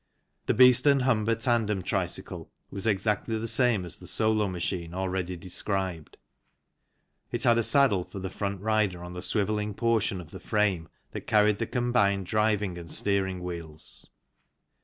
The Beeston Humber tandem tricycle was exactly the same as the solo machine already described; it had a saddle for the front rider on the swivelling portion of the frame that carried the combined FIG. 12 driving and steering wheels.